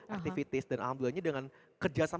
activities dan alhamdulillahnya dengan kerjasama